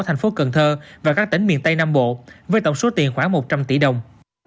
thành phố cần thơ và các tỉnh miền tây nam bộ với tổng số tiền khoảng một trăm linh tỷ đồng